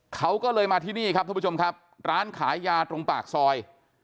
เขาก็เลยมาที่นี่ครับท่านผู้ชมครับร้านขายยาตรงปากซอย